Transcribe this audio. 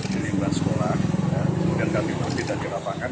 di lingkungan sekolah kemudian kami pergi dari lapangan